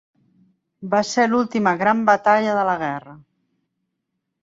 Va ser l'última gran batalla de la guerra.